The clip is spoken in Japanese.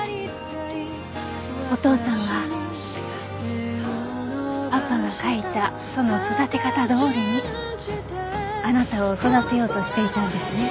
お父さんはパパが書いたその育て方どおりにあなたを育てようとしていたんですね。